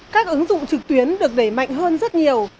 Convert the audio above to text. các ứng dụng trực tuyến được đẩy mạnh hơn rất nhiều